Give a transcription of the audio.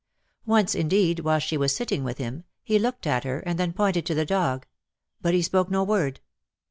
Once, indeed, while she was sitting with him, he looked at her, and then pointed to the dog; but he spoke no word.